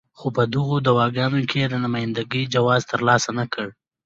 خو په دغو دوکانونو کې یې د نماینده ګۍ جواز ترلاسه نه کړ.